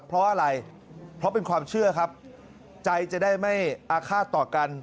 เพราะอะไรเพราะเป็นความเชื่อครับใจจะได้ไม่อาฆาตต่อกัน